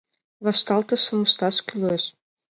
Вашталтышым ышташ кӱлеш.